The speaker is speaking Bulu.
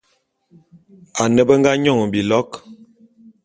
Ane be nga nyon bilo'o.